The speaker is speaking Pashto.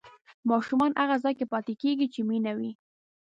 ماشومان هغه ځای کې پاتې کېږي چې مینه وي.